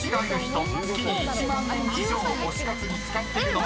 ［月に１万円以上推し活に使っているのは？］